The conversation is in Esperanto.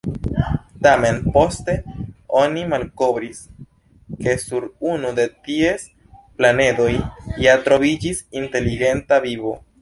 Tamen poste oni malkovris, ke sur unu de ties planedoj ja troviĝis inteligenta vivo.